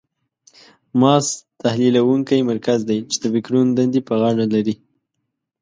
مغز تحلیلونکی مرکز دی چې د فکرونو دندې په غاړه لري.